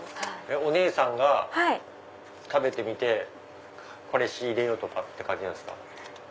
お姉さんが食べてみてこれ仕入れよう！って感じなんですか？